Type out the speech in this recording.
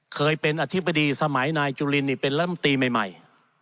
เคยเป็นอธิบดีสมัยนายจุลินเป็นลำตีใหม่